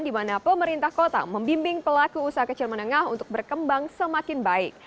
di mana pemerintah kota membimbing pelaku usaha kecil menengah untuk berkembang semakin baik